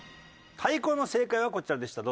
太鼓の正解はこちらでした。